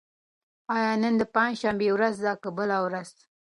آیا نن د پنجشنبې ورځ ده که بله ورځ؟